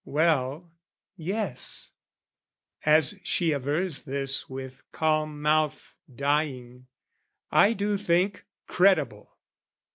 Well, yes: as she avers this with calm mouth Dying, I do think "Credible!"